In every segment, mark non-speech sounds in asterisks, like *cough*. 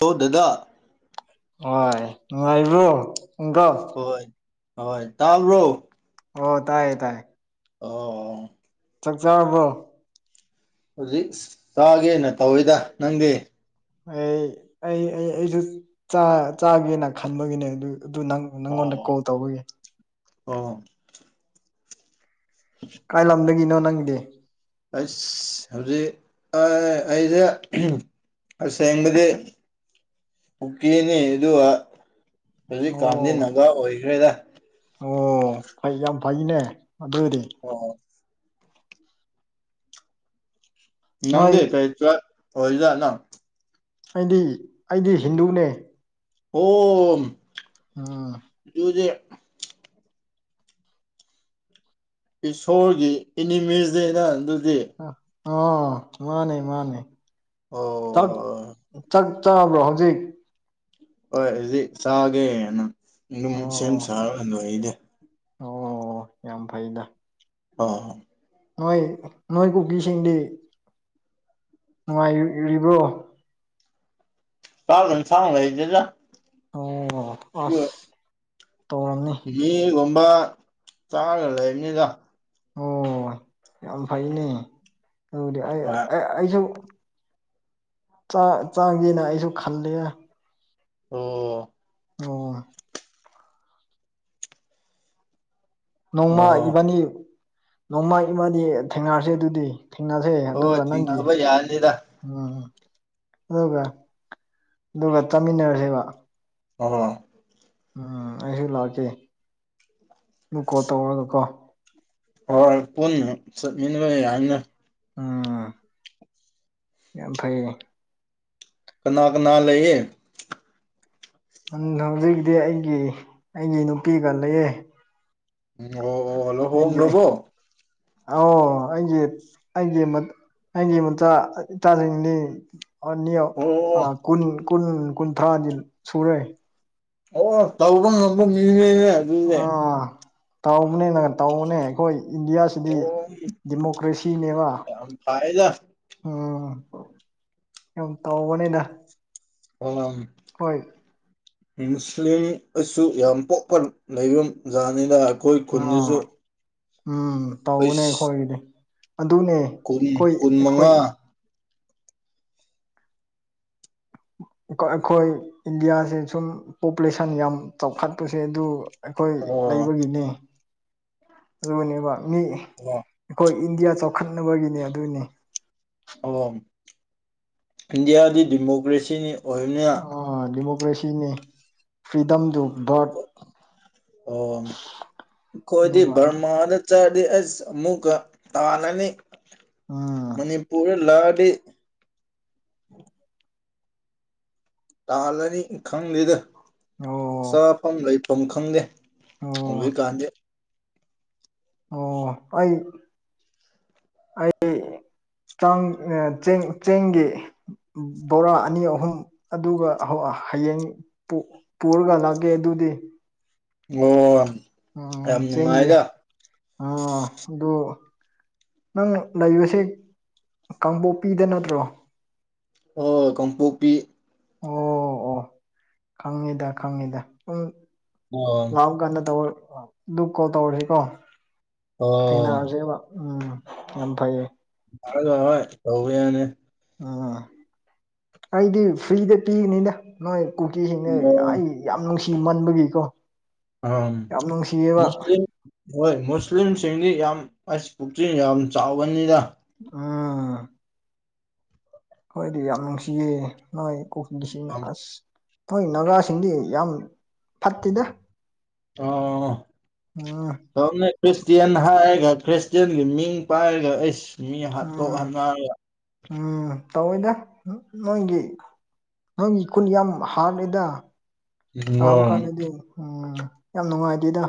ꯑꯣ ꯗꯗꯥ ꯍꯥꯏ ꯅꯨꯡꯉꯥꯏꯔꯤꯕ꯭ꯔꯣ ꯅꯪꯗꯣ ꯍꯣꯏ ꯍꯣꯏ ꯇꯥꯕ꯭ꯔꯣ ꯑꯣ ꯇꯥꯏꯌꯦ ꯇꯥꯏꯌꯦ ꯑꯣ ꯆꯥꯛ ꯆꯥꯔꯕꯣ ꯍꯧꯖꯤꯛ ꯆꯥꯒꯦꯅ ꯇꯧꯋꯤꯗ ꯅꯪꯗꯤ ꯑꯩ ꯑꯩ ꯑꯩ ꯑꯩꯖꯨ ꯆꯥ ꯆꯒꯦꯅ ꯈꯟꯕꯒꯤꯅꯦ ꯑꯗꯨ ꯑꯗꯨ ꯅꯪ ꯅꯪꯉꯣꯟꯗ ꯀꯣꯜ ꯑꯣ ꯇꯧꯕꯒꯤ ꯑꯣ ꯀꯥꯏ ꯂꯝꯗꯒꯤꯅꯣ ꯅꯪꯗꯤ ꯑꯁ ꯍꯧꯖꯤꯛ ꯑꯥ ꯑꯩꯗꯤ *unintelligible* ꯑꯁꯦꯡꯕꯗꯤ ꯀꯨꯀꯤꯅꯤ ꯑꯗꯨꯒ ꯍꯧꯖꯤꯛ ꯀꯥꯟꯗꯤ ꯑꯣ ꯅꯥꯒꯥ ꯑꯣꯏꯈ꯭ꯔꯦꯗ ꯑꯣ ꯐꯩ ꯌꯥꯝ ꯐꯩꯅꯦ ꯑꯗꯨꯗꯤ ꯑꯣ ꯅꯣꯏ ꯅꯪꯗꯤ ꯀꯩ ꯇ꯭ꯔꯥꯏꯕ ꯑꯣꯏꯖꯥꯠꯅꯣ ꯑꯩꯗꯤ ꯑꯩꯗꯤ ꯍꯤꯟꯗꯨꯅꯦ ꯑꯣꯝ ꯑ ꯑꯗꯨꯗꯤ ꯏꯁꯣꯔꯒꯤ ꯑꯦꯅꯤꯃꯤꯁ ꯅꯦꯗ ꯑꯗꯨꯗꯤ ꯑ ꯑꯣ ꯃꯥꯅꯦ ꯃꯥꯅꯦ ꯑꯣ ꯇ__ *unintelligible* ꯆꯥꯛ ꯆꯥꯔꯕ꯭ꯔꯣ ꯍꯧꯖꯤꯛ ꯍꯣꯏ ꯍꯧꯖꯤꯛ ꯆꯥꯒꯦꯅ ꯑꯗꯨꯝ ꯁꯦꯝ ꯑꯣ ꯁꯥꯔꯒ ꯂꯣꯏꯗꯤ ꯑꯣ ꯌꯥꯝ ꯐꯩꯗ ꯑꯣ ꯅꯣꯏ ꯅꯣꯏ ꯀꯨꯀꯤꯁꯤꯡꯗꯤ ꯅꯨꯡꯉꯥꯏꯔꯤ ꯔꯤꯕ꯭ꯔꯣ *unintelligible* ꯂꯩꯇꯦꯗ ꯑꯣ ꯑꯥꯁ ꯇꯧꯔꯝꯅꯤ ꯃꯤꯒꯨꯝꯕ ꯆꯥꯔꯒ ꯂꯩꯕꯅꯤꯗ ꯑꯣ ꯌꯥꯝ ꯐꯩꯅꯦ ꯑꯗꯨꯗꯤ ꯑꯩ__ ꯍꯣꯏ ꯑꯩꯁꯨ ꯆꯥ ꯆꯥꯒꯦꯅ ꯑꯩꯁꯨ ꯈꯜꯂꯦꯑ ꯑꯣ ꯑꯣ ꯅꯣꯡꯃ ꯑꯣ ꯏꯕꯥꯅꯤ ꯅꯣꯡꯃ ꯏꯕꯥꯅꯤ ꯊꯦꯡꯅꯔꯁꯦ ꯑꯗꯨꯗꯤ ꯊꯦꯡꯅꯁꯦ ꯍꯣꯏ ꯑꯗꯨꯒ ꯅꯪꯒꯤ ꯊꯤꯡꯅꯕ ꯌꯥꯅꯤꯗ ꯎꯝꯝ ꯑꯗꯨꯒ ꯑꯗꯨꯒ ꯆꯥꯃꯤꯟꯅꯔꯁꯦꯕ *unintelligible* ꯎꯝ ꯑꯩꯁꯨ ꯂꯥꯛꯀꯦ ꯃꯨꯛ ꯀꯣꯠ ꯇꯧꯔꯒ ꯀꯣ ꯍꯣꯏ ꯄꯨꯟꯅ ꯆꯠꯃꯤꯟꯅꯕ ꯌꯥꯅꯤ__ *unintelligible* ꯎꯝ ꯌꯥꯝ ꯐꯩꯌꯦ ꯀꯅꯥ ꯀꯅꯥ ꯂꯩꯌꯦ ꯊꯪꯅꯕꯖꯤꯕꯨꯗꯤ ꯑꯩꯒꯤ ꯑꯩꯒꯤ ꯅꯨꯄꯤꯒ ꯂꯩꯌꯦ ꯑꯣ ꯑꯣ ꯂꯨꯍꯣꯡ ꯗꯕꯣ ꯑꯣ ꯑꯩꯖꯦ ꯑꯩꯖꯦ ꯃꯇꯝ__ ꯑꯩꯒꯤ ꯃꯆꯥ ꯏꯇꯥꯁꯤꯡꯅꯤ ꯑꯅꯤ ꯑꯣ ꯀꯨꯟ ꯀꯨꯟ ꯀꯨꯟꯊ꯭ꯔꯥꯗꯤ ꯁꯨꯔꯦ ꯑꯣ ꯇꯧꯕ ꯉꯝꯕ ꯃꯤꯅꯦꯌꯦ ꯑꯥ ꯇꯧꯕꯅꯤꯅꯦ ꯇꯧꯕꯅꯦ ꯑꯩꯈꯣꯏ ꯏꯟꯗꯤꯌꯥꯁꯤ__ *unintelligible* ꯗꯤ ꯑꯣ ꯗꯤꯃꯣꯀ꯭ꯔꯦꯁꯤꯅꯦꯕ ꯌꯥꯝ ꯐꯩꯗ ꯑ ꯌꯥꯝ ꯇꯧꯕꯅꯦꯗ *unintelligible* ꯍꯣꯏ ꯃꯨꯁꯂꯤꯝ ꯑꯁꯨ ꯌꯥꯝ ꯄꯣꯛꯄ ꯂꯩꯕꯝ ꯌꯥꯅꯤꯗ ꯑ ꯎꯝ ꯇꯧꯕꯅꯦ ꯑꯩꯁ ꯑꯩꯈꯣꯏꯒꯤꯗꯤ ꯑꯗꯨꯅꯦ ꯀꯨꯟ ꯈꯣꯏ ꯀꯨꯟ ꯑꯩꯈꯣꯏ ꯃꯉꯥ ꯑꯩꯈꯣꯏ ꯏꯟꯗꯤꯌꯥꯁꯦ ꯁꯨꯝ ꯄꯣꯄꯨꯂꯦꯁꯟ ꯌꯥꯝ ꯆꯥꯎꯈꯠꯄꯁꯦ ꯑꯗꯨ ꯑꯩꯈꯣꯏ ꯑꯣ ꯂꯩꯕꯒꯤꯅꯤ ꯑꯗꯨꯕꯨꯅꯦꯕ ꯃꯤ ꯗꯨꯑꯥ ꯑꯩꯈꯣꯏ ꯏꯟꯗꯤꯌꯥ ꯆꯥꯎꯈꯠꯅꯕꯒꯤꯅꯦ ꯑꯗꯨꯅꯤ ꯑꯣ ꯏꯟꯗꯤꯌꯥꯗꯤ ꯗꯦꯃꯣꯀ꯭ꯔꯦꯁꯤꯅꯤ ꯑꯣꯏꯅꯤꯌꯥ ꯑ ꯗꯦꯃꯣꯀ꯭ꯔꯦꯁꯤꯅꯦ ꯐ꯭ꯔꯤꯗꯝꯗꯨ ꯕꯔꯠꯅꯦꯕ ꯑꯣ ꯈꯣꯏꯗꯤ ꯕꯔꯃꯥꯗ__ *unintelligible* ꯆꯠꯔꯗꯤ ꯑꯁ ꯑꯃꯨꯛꯀ ꯇꯥꯜꯂꯅꯤ ꯎꯝ ꯃꯅꯤꯄꯨꯔꯗ ꯂꯥꯛꯑꯗꯤ *inaudible* ꯇꯥꯜꯂꯅꯤ ꯈꯪꯗꯦꯗ ꯑꯣ ꯆꯥ ꯐꯝ ꯂꯩꯐꯝ ꯈꯪꯗꯦ ꯑꯣ ꯍꯧꯖꯤꯛ ꯀꯥꯟꯗꯤ ꯑꯣ ꯑꯩ ꯑꯩ ꯆꯥꯡ ꯆꯦꯡ ꯆꯦꯡꯒꯤ ꯕꯣꯔꯥ ꯑꯅꯤ ꯑꯍꯨꯝ ꯑꯗꯨꯒ ꯍꯧ ꯍꯌꯦꯡ ꯄꯨ ꯄꯨꯔꯒ ꯂꯛꯒꯦ ꯑꯗꯨꯗꯤ ꯑꯣ ꯎꯝ ꯌꯥꯝ ꯆꯦꯟꯒꯤ ꯅꯨꯡꯉꯥꯏꯗ ꯎꯝ ꯑꯗꯨ ꯅꯪ ꯂꯩꯕꯁꯦ ꯀꯥꯡꯄꯣꯛꯄꯤꯗ ꯅꯠꯇ꯭ꯔꯣ ꯑꯣ ꯀꯥꯡꯄꯣꯛꯄꯤ ꯑꯣ ꯑꯣ ꯈꯪꯉꯤꯗ ꯈꯪꯉꯤꯗ ꯑꯣ ꯑꯣ ꯂꯥꯎꯒꯅ ꯇꯧ ꯑꯗꯨ ꯀꯣꯜ ꯇꯧꯔꯍꯤꯀꯣ ꯑꯣ ꯊꯦꯡꯅꯖꯦꯕ ꯎꯝ ꯌꯥꯝ ꯐꯩꯌꯦ ꯍ ꯍꯣꯏ ꯇꯧꯕ ꯌꯥꯅꯤ ꯎꯝ ꯑꯩꯗꯤ ꯐ꯭ꯔꯤꯗ ꯄꯤꯒꯅꯤꯗ ꯅꯣꯏ ꯀꯨꯀꯤꯁꯤꯡꯅ ꯑꯣ ꯑꯩ ꯌꯥꯝ ꯅꯨꯡꯁꯤ ꯃꯟꯕꯒꯤꯀꯣ ꯑꯝ ꯌꯥꯝ ꯅꯨꯡꯁꯤꯌꯦꯕ ꯃꯨꯁꯂꯤꯝ ꯍꯣꯏ ꯃꯨꯁꯂꯤꯝꯁꯤꯡꯗꯤ ꯌꯥꯝ ꯑꯁ ꯄꯨꯛꯆꯦꯟ ꯌꯥꯝ ꯆꯥꯎꯒꯅꯤꯗ ꯎꯝ ꯍꯣꯏꯗꯤ ꯌꯥꯝ ꯅꯨꯡꯁꯤꯌꯦ ꯅꯣꯏ ꯀꯨꯀꯤꯁꯤꯡꯅ ꯑꯁ ꯅꯣꯏ ꯅꯥꯒꯥꯁꯤꯡꯗꯤ ꯌꯥꯝ ꯐꯠꯇꯦꯗ ꯑꯑꯑ ꯎꯝ ꯇꯣꯝꯅ ꯌꯥꯝ ꯈ꯭ꯔꯤꯁꯇꯤꯌꯥꯟ ꯍꯥꯏꯔꯒ ꯈ꯭ꯔꯤꯁ ꯇꯤꯌꯥꯟꯒꯤ ꯃꯤꯡ ꯄꯥꯏꯔꯒ ꯑꯩꯁ ꯃꯤ ꯍꯥꯠꯇꯣꯛ ꯎꯝ ꯍꯟꯅꯔꯒ ꯎꯝ ꯇꯧꯌꯤꯗ ꯅꯣꯏꯒꯤ ꯅꯪꯒꯤ ꯈꯨꯟ ꯌꯥꯝ ꯍꯥꯠꯔꯤꯗ ꯇꯥꯕ ꯍꯣꯏ ꯀꯥꯟꯗꯗꯤ ꯎꯝ ꯌꯥꯝ ꯅꯨꯡꯉꯥꯏꯗꯦꯗ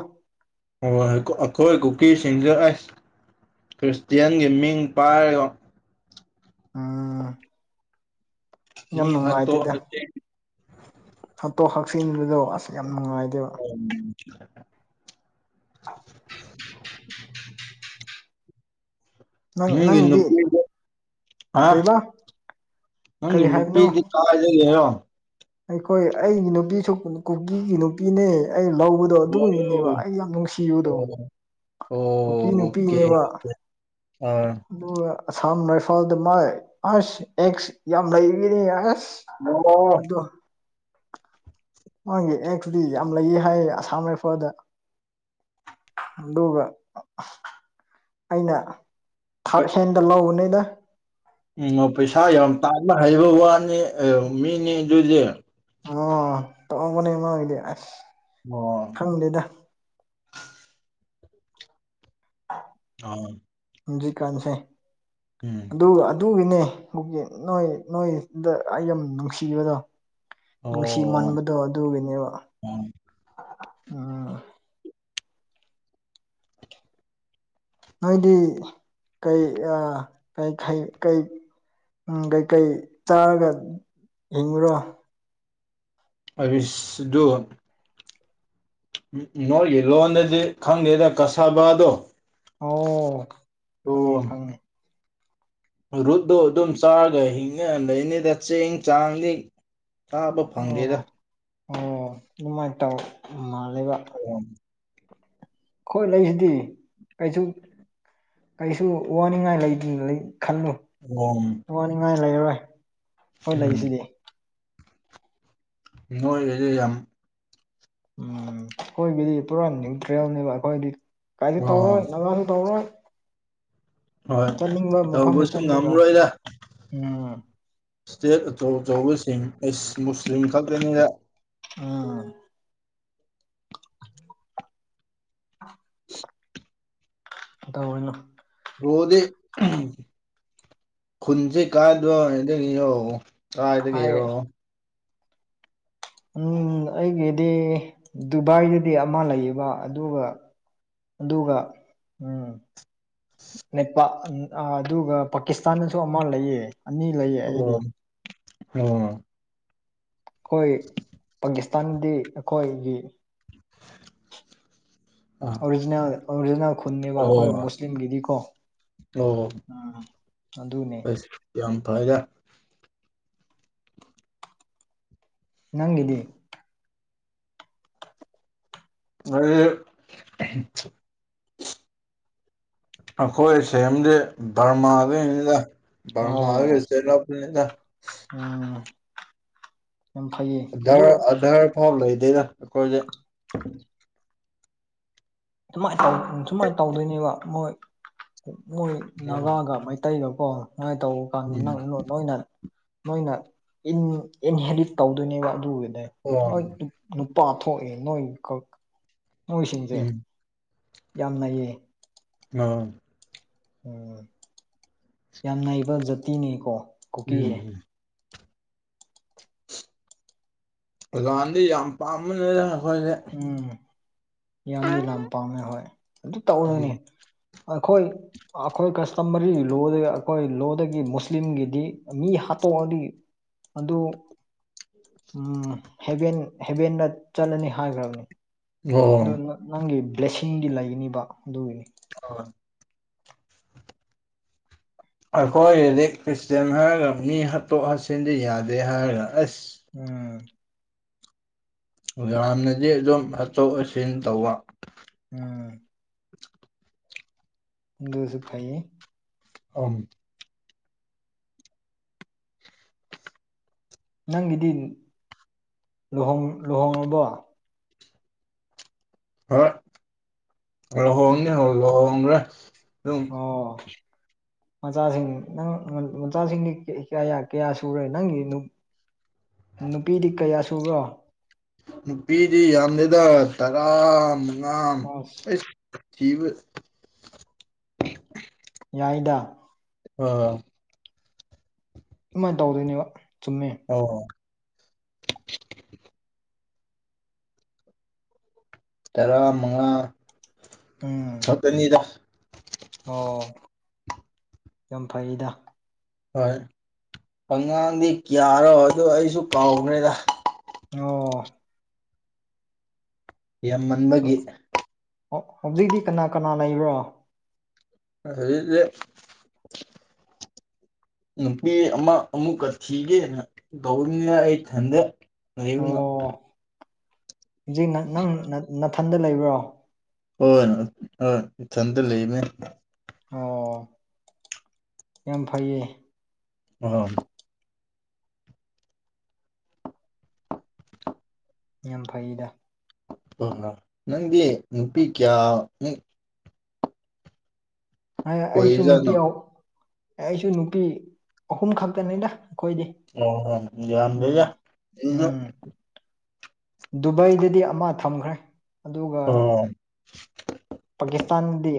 ꯍꯣꯏ ꯑꯩꯈꯣꯏ ꯀꯨꯀꯤꯁꯤꯡꯁꯦ ꯑꯩꯁ ꯈ꯭ꯔꯤꯁꯇꯤꯌꯥꯟꯒꯤ ꯃꯤꯡ ꯄꯥꯏꯔꯒ ꯎꯝ ꯌꯥꯝ ꯃꯤ ꯍꯥꯠꯊꯣꯛ ꯅꯨꯡꯉꯥꯏꯇꯦꯗ ꯔꯁꯦꯟ ꯍꯥꯠꯇꯣꯛ ꯍꯥꯛꯆꯤꯟꯕꯗꯣ ꯑꯁ ꯌꯥꯝ ꯅꯨꯡꯉꯥꯏꯗꯦꯕ *unintelligible* ꯅꯪ ꯅꯪꯒꯤ ꯅꯪꯒꯤꯗꯤ ꯅꯨꯄꯤꯕꯨ ꯑ ꯀꯔꯤꯕꯥ ꯀꯔꯤ ꯅꯪꯒꯤ ꯅꯨꯄꯤꯗꯤ ꯍꯥꯏꯕꯅꯣ ꯑ ꯍꯥꯏꯖꯤꯜꯂꯤꯔꯣ ꯑꯩꯈꯣꯏ ꯑꯩꯒꯤ ꯅꯨꯄꯤꯁꯨ ꯀꯨ ꯀꯨꯀꯤꯒꯤ ꯅꯨꯄꯤꯅꯦ ꯑꯩ ꯂꯧꯕ ꯑꯗꯣ ꯑꯣ ꯑꯗꯨꯒꯤꯅꯦꯕ ꯑꯩ ꯌꯥꯝ ꯅꯨꯡꯁꯤꯕꯗꯣ ꯀꯨꯀꯤ ꯑꯣꯀꯦ ꯅꯨꯄꯤꯅꯦꯕ ꯑꯣꯀꯦ ꯑꯥ ꯑꯗꯨꯒ ꯑꯁꯥꯝ ꯔꯥꯏꯐꯜꯗ ꯃꯥ ꯑꯁ ꯑꯦꯛꯁ ꯌꯥꯝ ꯂꯩꯒꯤꯅꯤ ꯑꯁ *unintelligible* ꯑꯗꯣ ꯃꯥꯒꯤ ꯑꯦꯛꯁꯗꯤ ꯌꯥꯝ ꯂꯩꯌꯦ ꯍꯥꯏꯌꯦ ꯑꯁꯥꯝ ꯔꯥꯏꯐꯜꯗ ꯑꯗꯨꯒ ꯑꯩꯅ ꯊꯥꯔꯠ ꯍꯦꯟꯗ ꯂꯧꯕꯅꯦꯗ ꯎꯝ ꯄꯩꯁꯥ ꯌꯥꯝ ꯇꯟꯕ ꯍꯩꯕ ꯋꯥꯅꯤ ꯑꯥ ꯃꯤ ꯅ‌ꯦꯛꯑꯦ ꯑꯗꯨꯗꯤ ꯑꯣ ꯇꯥꯡꯕꯅ‌ꯩ ꯃꯥꯒꯤꯗꯤ ꯑꯁ ꯑꯣ ꯈꯪ‌ꯗ‌ꯦꯗ ꯑꯣ ꯍꯨꯖꯤꯛꯀꯥꯟꯁꯦ ꯎꯝ ꯑꯗꯨ ꯑꯗꯨꯒꯤꯅꯦ ꯑꯩꯈ‌ꯣꯏꯒꯤ ꯅꯣꯏ ꯅꯣꯏꯗ ꯑꯩ ꯌꯥꯝ ꯅꯨꯡꯁꯤꯕꯗꯣ ꯅꯨꯡꯁꯤ ꯑꯣ ꯃꯟꯕꯗꯣ ꯑꯗꯨꯒꯤꯅꯦꯕ ꯑꯣ ꯎꯝ ꯅꯣꯏꯗꯤ ꯀꯩ ꯑ ꯀꯩꯈꯩ ꯀꯩ ꯎꯝ ꯀꯩꯀꯩ ꯆꯥꯔꯒ ꯍꯤꯡꯉꯨꯔꯣ ꯑꯔꯤꯁ ꯗꯣ ꯎꯝ ꯅꯣꯏꯒꯤ ꯂꯣꯟꯗꯗꯤ ꯈꯪꯗꯦꯗ ꯀꯁꯥꯕꯗꯣ ꯑꯣ ꯈꯪꯉꯦ ꯈꯪꯉꯦ ꯔꯨꯠꯇꯣ ꯑꯗꯨꯝ ꯆꯥꯔꯒ ꯍꯤꯡꯅ ꯂꯩꯅꯤꯗ ꯆꯦꯡ ꯆꯥꯡꯅꯤ ꯇꯥꯕ ꯐꯪꯗꯦꯗ ꯑꯣ ꯑꯣ ꯑꯗꯨꯃꯥꯏꯅ ꯇꯧ ꯃꯥꯜꯂꯤꯕ *unintelligible* ꯑꯩꯈꯣꯏ ꯂꯩꯁꯤꯗꯤ ꯀꯩꯁꯨ ꯀꯩꯁꯨ ꯋꯥꯅꯤꯡꯉꯥꯏ ꯂꯩ ꯂꯩ ꯈꯜꯂꯨ *unintelligible* ꯋꯥꯅꯤꯡꯉꯥꯏ ꯂꯩꯔꯔꯣꯏ ꯈ‌ꯣꯏ ꯂꯩꯁꯤꯗꯤ ꯅꯣꯏꯒꯗꯤ ꯌꯥꯝ ꯎꯝ ꯑꯩꯈꯣꯏꯒꯤꯗꯤ ꯄꯨꯔꯥ ꯅ꯭ꯌꯨꯇ꯭ꯔꯦꯜꯅꯦꯕ ꯑꯩꯈꯣꯏꯗꯤ ꯀꯥꯏꯁꯨ ꯇꯧꯔꯣꯏ ꯑꯣ *unintelligible* ꯁꯨ ꯇꯧꯔꯣꯏ ꯍꯣꯏ ꯆꯠꯅꯤꯡꯕ ꯃꯐꯝꯗ ꯇꯧꯕꯁꯨ ꯆꯠꯅꯤꯕ ꯉꯝꯔꯣꯏꯗ ꯎꯝ ꯏꯁꯇꯦꯠ ꯑꯆꯧ ꯑꯆꯧꯕꯁꯤꯡ ꯑꯦꯁ ꯃꯨꯁꯂꯤꯝ ꯈꯛꯇꯅꯤꯗ ꯑꯥ ꯀꯩꯗꯧꯔꯤꯅꯣ ꯔ‌ꯣꯗꯤ ꯈꯨꯟꯁꯦ ꯀꯥꯥꯏꯗ *unintelligible* ꯍꯥꯏ ꯀꯥꯏꯗꯒꯤꯔꯣ ꯎꯝ ꯑꯩꯒꯤꯗꯤ ꯗꯨꯕꯥꯏꯗꯗꯤ ꯑꯃ ꯂꯩꯌꯦꯕ ꯑꯗꯨꯒ ꯑꯗꯨꯒ ꯎꯝ ꯅ‌ꯦꯄꯥ ꯑꯥ ꯑꯗꯨꯒ ꯄꯥꯀꯤꯁꯇꯥꯟꯗꯁꯨ ꯑꯃ ꯂꯩꯌꯦ ꯑꯅꯤ ꯂꯩ ꯑꯣ ꯑꯣ ꯑꯩꯈꯣꯏ ꯄꯥꯀꯤꯁꯇꯥꯟꯗꯤ ꯑꯩꯈꯣꯏꯒꯤ ꯑꯣꯔꯤꯖꯤꯅꯦꯜ ꯑꯣꯔꯤꯖꯤꯅꯦꯜ ꯈꯨꯟꯅꯦꯕ ꯑꯣ ꯑꯩꯈꯣꯏ ꯃꯨꯁꯂꯤꯝꯒꯤꯗꯤꯀꯣ ꯑꯣ ꯑꯥ ꯑꯗꯨꯅꯦ ꯌꯥꯝ ꯐꯥꯏꯗ ꯅꯪꯒꯤꯗꯤ ꯑꯩ *unintelligible* ꯑꯩꯈꯣꯏ ꯁꯦꯝꯗꯤ ꯕꯔꯃꯥꯗꯒꯤꯅꯤꯗ ꯕꯔꯃꯥꯗꯒꯤ ꯑꯣ ꯆ‌ꯦꯜꯂꯛꯄꯅꯤꯗ ꯎꯝ ꯌꯥꯝ ꯐꯩꯌ‌ꯦ ꯑꯙꯔ ꯑꯙꯔ ꯐꯥꯎ ꯂꯩꯇ‌ꯦꯗ ꯑꯩꯈꯣꯏꯗꯤ ꯁꯨꯃꯥꯏ ꯇꯧ ꯁꯨꯃꯥꯏꯅ ꯇꯧꯗꯣꯏꯅꯦꯕ ꯃꯣꯏ ꯃꯣꯏ ꯅꯥꯒꯥꯒ ꯃꯩ ꯇꯩꯒꯀꯣ ꯁꯨꯃꯥꯏ ꯇꯧꯕ ꯀꯥꯟꯗ ꯎꯝ ꯅꯪ ꯅꯣ ꯅꯣꯏꯅ ꯃ‌ꯣꯏꯅ ꯏꯟ ꯏꯟꯍꯦꯔꯤꯠ ꯇꯧꯗꯣꯏꯅꯦꯕ ꯑꯗꯨꯒꯤꯅ‌ꯦ ꯑꯣ ꯃ‌ꯣꯏ ꯅꯨꯄꯥ ꯊꯣꯛꯑꯦ ꯅꯣꯏꯈꯛ ꯅꯣꯏꯁꯤꯡꯁꯦ ꯎꯝ ꯌꯥꯝꯅꯩ ꯌꯦꯌꯦ ꯎꯝ ꯎꯝ ꯌꯥꯝ ꯅꯥꯏꯕ ꯖꯥꯇꯤꯅꯤꯀꯣ ꯀꯨꯀꯤꯁꯦ ꯎꯝ ꯀꯥꯟꯗꯤ ꯌꯥꯝ ꯄꯥꯝꯕꯅꯤꯅ ꯑꯩꯈꯣꯏꯁ ꯎꯝ ꯌꯥꯝꯗꯤ ꯂꯝꯥ ꯄꯥꯝꯃꯦ ꯍꯣꯏ ꯑꯗꯨ ꯇꯧꯎꯅꯅꯦ ꯑꯩꯈꯣꯏ ꯑꯩꯈꯣꯏ ꯀꯁꯇꯃꯔꯤ ꯂꯣꯗꯒꯤ ꯑꯩꯈꯣꯏ ꯂꯣꯗꯒꯤ ꯃꯨꯁꯂꯤꯝꯒꯤꯗꯤ ꯃꯤ ꯍꯥꯠꯇꯣꯛꯑꯗꯤ ꯑꯗꯨ ꯎ ꯍꯕꯦꯟ ꯍꯦꯕꯦꯟꯅ ꯆꯠꯂꯅꯤ ꯍꯥꯏꯈ꯭ꯔꯝꯅꯤ ꯑꯣ ꯑꯗꯨ ꯅꯪꯒꯤ ꯕ꯭ꯂꯦꯁꯤꯡꯗꯤ ꯂꯩꯒꯅꯤꯕ ꯑꯗꯨꯒꯤ *unintelligible* ꯑꯩꯈꯣꯏꯒꯤꯗꯤ ꯈ꯭ꯔꯤꯁꯇꯦꯟ ꯍꯥꯏꯔꯒ ꯃꯤ ꯍꯥꯠꯇꯣꯛ ꯍꯥꯞꯆꯤꯟꯗꯤ ꯌꯥꯗꯦ ꯍꯥꯏꯔꯒ ꯑꯁ ꯎꯝ ꯌꯥꯝꯅꯗꯤ ꯑꯗꯨꯝ ꯍꯥꯠꯇꯣꯛ ꯍꯥꯆꯤꯟ ꯇꯧꯕ ꯎꯝ ꯗꯨꯁꯨ ꯐꯩꯌꯦ ꯑꯝ ꯅꯪꯒꯤꯗꯤ ꯂꯨꯍ‌ꯣꯡ ꯂꯨꯍꯣꯡꯔꯕꯣ *unintelligible* ꯅꯨꯞ- ꯑꯗꯨꯝ ꯑꯣ ꯃꯆꯥꯁꯤꯡ ꯅꯪ ꯃꯆꯥꯁꯤꯡꯒꯤ ꯀꯌꯥ ꯁꯨꯔꯦ ꯅꯪꯒꯤ ꯅꯨ ꯅꯨꯄꯤꯗꯤ ꯀꯌꯥ ꯁꯨꯕ꯭ꯔꯣ ꯅꯨꯄꯤꯗꯤ ꯌꯥꯝꯗ꯭ꯔꯦꯗ ꯇꯔꯥ ꯃꯉꯥ ꯑꯁ ꯑꯩꯁ ꯊꯕ ꯌꯥꯏꯗ ꯑꯣ ꯑꯗꯨꯃꯥꯏꯅ ꯇꯧꯗꯣꯏꯅꯦꯕ ꯆꯨꯝꯃꯦ ꯑꯣ ꯇꯔꯥ ꯃꯉꯥ ꯎꯝ ꯈꯛꯇꯅꯤꯗ ꯑꯣ ꯌꯥꯝ ꯐꯩꯗ ꯍꯣꯏ ꯑꯉꯥꯡꯗꯤ ꯀꯌꯥꯔꯣ ꯑꯗ ꯑꯩꯁꯨ ꯀꯥꯎꯈ꯭ꯔꯦꯗ ꯑꯣ ꯌꯥꯝꯃꯟꯕꯒꯤ ꯑꯣ ꯍꯧꯖꯤꯛꯇꯤ ꯀꯅꯥ ꯀꯅꯥ ꯂꯩꯕ꯭ꯔꯣ ꯑꯗꯨꯗꯤ ꯅꯨꯄꯤ ꯑꯃ ꯑꯃꯨꯛꯀ ꯊꯤꯒꯦꯅ ꯇꯧꯅꯤꯅ ꯑꯩꯊꯟꯗ ꯑꯣ ꯍꯧꯖꯤꯛ ꯅꯪ ꯅꯅꯥꯊꯟꯗ ꯂꯩꯕ꯭ꯔꯣ ꯍꯣꯏꯣꯏ ꯍꯣꯏ ꯏꯊꯟꯗ ꯂꯩꯕꯅꯦ ꯑꯣ ꯌꯥꯝ ꯐꯩꯌꯦ ꯑ ꯌꯥꯝ ꯐꯩꯗ ꯅꯪꯗꯤ ꯅꯨꯄꯤ ꯀꯌꯥ ꯑꯩꯁꯨ ꯅꯨꯄꯤ ꯀꯣꯏꯔꯤꯖꯥꯠꯅꯣ ꯑꯩꯁꯨ ꯅꯨꯄꯤ ꯑꯍꯨꯝ ꯈꯛꯇꯅꯤꯗ ꯑꯩꯈꯣꯏꯗꯤ ꯑꯣ ꯍ ꯌꯥꯕꯤ ꯎꯝ ꯏ ꯗꯨꯕꯥꯏꯗꯗꯤ ꯑꯃ ꯊꯝꯈ꯭ꯔꯦ ꯑꯗꯨꯒ ꯑꯣ ꯄꯥꯀꯤꯁꯇꯥꯟꯗꯤ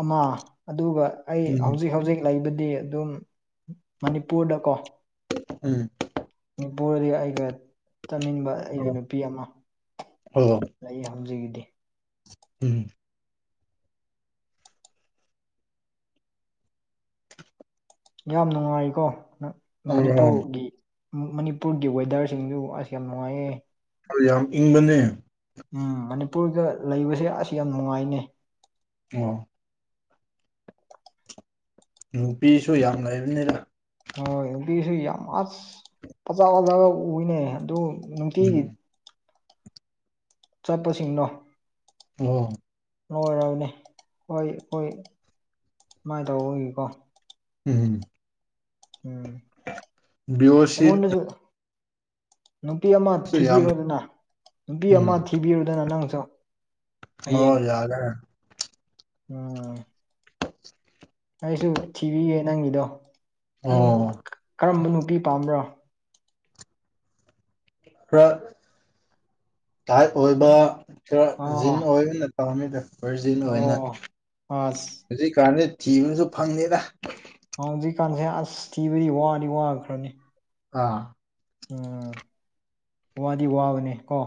ꯑꯃ ꯑꯗꯨꯒ ꯑꯩ ꯎꯝ ꯍꯧꯖꯤꯛ ꯍꯧꯖꯤꯛ ꯂꯩꯕꯗꯤ ꯑꯗꯨꯝ ꯃꯅꯤꯄꯨꯔꯗꯀꯣ ꯎꯝ ꯃꯅꯤꯄꯨꯔꯗꯗꯤ ꯑꯩꯒ ꯆꯥꯅꯕ ꯑꯩꯒꯤ ꯅꯨꯄꯤ ꯑꯃ ꯑꯣ ꯑꯩ *unintelligible* ꯎꯝ ꯌꯥꯝ ꯅꯨꯡꯉꯥꯏꯀꯣ ꯅ ꯑꯣ ꯃꯅꯤꯄꯨꯔꯒꯤ ꯃꯅꯤꯄꯨꯔꯒꯤ ꯋꯦꯗꯔꯁꯤꯡꯗꯨ ꯑꯁ ꯌꯥꯝ ꯅꯨꯡꯉꯥꯏꯌꯦ ꯌꯥꯝ ꯏꯪꯕꯅꯦ ꯎꯝ ꯃꯅꯤꯄꯨꯔꯒ ꯂꯩꯕꯁꯦ ꯑꯁ ꯌꯥꯝ ꯅꯨꯡꯉꯥꯏꯅꯦ ꯑꯣ ꯅꯨꯄꯤꯁꯨ ꯌꯥꯝ ꯂꯩꯕꯅꯤꯗ ꯍꯣꯏ ꯅꯨꯄꯤꯁꯨ ꯌꯥꯝ ꯑꯁ ꯐꯖ ꯐꯖ ꯎꯏꯅꯦ ꯑꯗꯨ ꯅꯨꯡꯇꯤꯒꯤ ꯎꯝ ꯆꯠꯄꯁꯤꯡꯗꯣ ꯑꯣ ꯂꯣꯏꯔꯕꯅꯦ ꯍꯣꯏ ꯑꯈꯣꯏ ꯁꯃꯥꯏꯅ ꯇꯧꯕꯒꯤꯀꯣ ꯎꯝ ꯎꯝ ꯕꯤ ꯑꯣ ꯁꯤ ꯑꯩꯉꯣꯟꯗꯁꯨ ꯅꯨꯄꯤ ꯑꯃ ꯌꯥꯝ ꯊꯤꯕꯤꯔꯨꯗꯅ ꯅꯨꯄꯤ ꯎꯝ ꯑꯃ ꯊꯤꯕꯤꯔꯨꯗꯅ ꯅꯪꯁꯨ ꯑꯣ ꯍꯌꯦꯡ ꯌꯥꯌꯦ ꯎꯝ *unintelligible* ꯑꯩꯁꯨ ꯊꯤꯕꯤꯒꯦ ꯅꯪꯒꯤꯗꯣ ꯅꯪ ꯑꯣ ꯀꯔꯝꯕ ꯅꯨꯄꯤ ꯄꯥꯝꯕ꯭ꯔꯣ ꯈꯔ ꯇꯥꯏꯠ ꯑꯣꯏꯕ ꯈꯔ ꯖꯤꯟ ꯑꯣ ꯑꯣꯏꯕ ꯅꯠ ꯄꯥꯝꯃꯤꯗ ꯚ꯭ꯔꯖꯤꯟ ꯑꯣꯏꯅ ꯑꯣ ꯑꯁ ꯍꯧꯖꯤꯛꯀꯥꯟꯗꯤ ꯊꯤꯕꯁꯨ ꯐꯪꯗꯦꯗ ꯍꯧꯖꯤꯛꯀꯥꯟꯁꯦ ꯑꯁ ꯊꯤꯕꯗꯤ ꯋꯥꯗꯤ ꯋꯥꯈ꯭ꯔꯅꯤ ꯑꯥ ꯎꯝ ꯋꯥꯗꯤ ꯋꯥꯕꯅꯦ ꯀꯣ